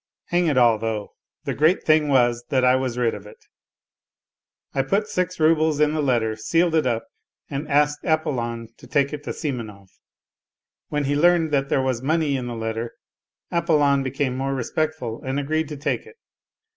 ... Hang it all though, the great thing was that I was rid of it. I put six roubles in the letter, sealed it up, and asked Apollon to take it to Simonov. When he learned that there was money in the letter, Apollon became more respectful and agreed to take it.